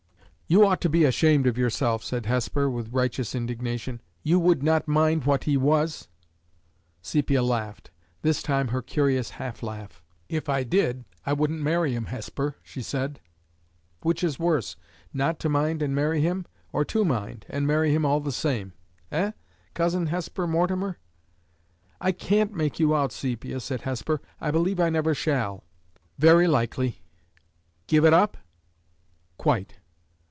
"You ought to be ashamed of yourself," said Hesper, with righteous indignation. "You would not mind what he was!" Sepia laughed this time her curious half laugh. "If I did, I wouldn't marry him, Hesper," she said. "Which is worse not to mind, and marry him; or to mind, and marry him all the same? Eh, Cousin Hesper Mortimer?" "I can't make you out, Sepia!" said Hesper. "I believe I never shall." "Very likely. Give it up?" "Quite."